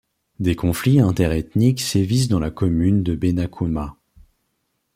Des conflits inter-ethniques sévissent dans la commune de Benakuma.